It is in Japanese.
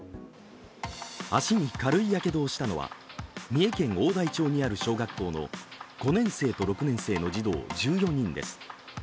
足に軽いやけどをしたのは三重県大台町にある小学校の５年生と６年生の児童１４人です。